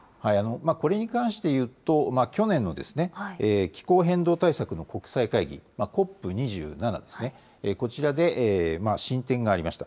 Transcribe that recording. これに関していうと、去年の気候変動対策の国際会議、ＣＯＰ２７ですね、こちらで進展がありました。